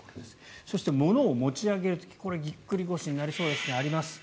そして、ものを持ち上げる時これ、ぎっくり腰になりそうです。